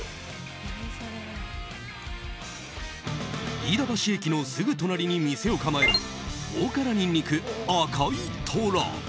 飯田橋駅のすぐ隣に店を構える大辛にんにく赤い虎。